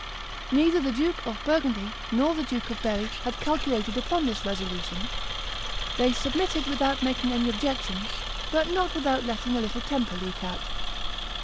Neither the Duke of Burgundy nor the Duke of Berry had calculated upon this resolution; they submitted, without making any objection, but not without letting a little temper leak out.